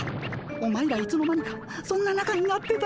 お前らいつの間にかそんななかになってたのか。